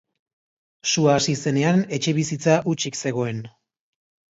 Sua hasi zenean etxebizitza hutsik zegoen.